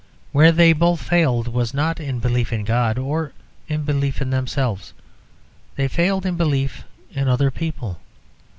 Where they both failed was not in belief in God or in belief in themselves; they failed in belief in other people.